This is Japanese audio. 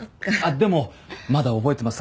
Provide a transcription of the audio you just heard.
でもまだ覚えてます。